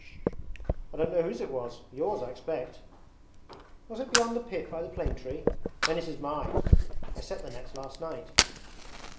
'I don't know whose it was yours, I expect.' 'Was it beyond the pit by the plane tree? Then it is mine! I set the nets last night.'